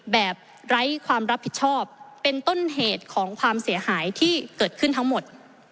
ไร้ความรับผิดชอบเป็นต้นเหตุของความเสียหายที่เกิดขึ้นทั้งหมด